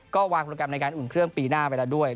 ก็วางโปรแกรมในการอุ่นเครื่องปีหน้าไปแล้วด้วย